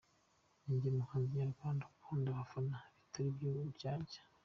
Ninjye muhanzi nyarwanda ukunda abafana bitari iby’uburyarya.